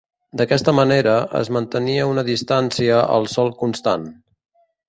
D'aquesta manera, es mantenia una distància al sòl constant.